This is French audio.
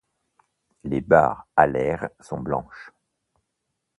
Les barres alaires sont blanches.